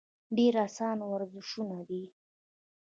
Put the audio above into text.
ډېر اسان ورزشونه دي -